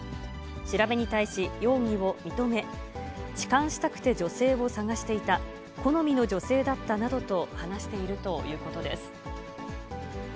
調べに対し、容疑を認め、痴漢したくて女性を探していた、好みの女性だったなどと話しているということです。